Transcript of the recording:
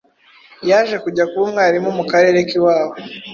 yaje kujya kuba umwarimu mu karere k’iwabo